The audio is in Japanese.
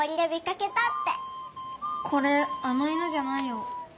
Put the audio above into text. これあの犬じゃないよ。